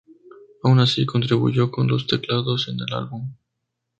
Aun así, contribuyó con los teclados en el álbum.